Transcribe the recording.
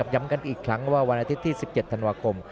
ย้ำกันอีกครั้งว่าวันอาทิตย์ที่๑๗ธันวาคม